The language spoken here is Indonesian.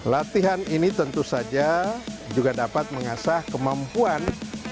latihan ini tentu saja juga dapat mengasah kemampuan